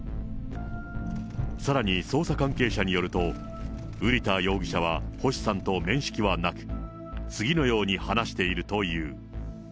さらに捜査関係者によると、瓜田容疑者は星さんと面識はなく、次のように話しているという。